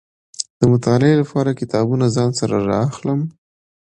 د مطالعې لپاره کتابونه ځان سره را اخلم.